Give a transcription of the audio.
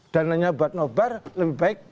dananya buat nobar lebih baik